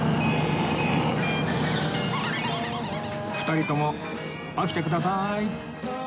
２人とも起きてくださーい